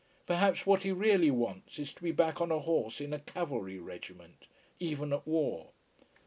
Perhaps what he really wants is to be back on a horse in a cavalry regiment: even at war.